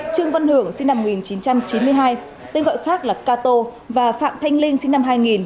trương văn hưởng sinh năm một nghìn chín trăm chín mươi hai tên gọi khác là cato và phạm thanh linh sinh năm hai nghìn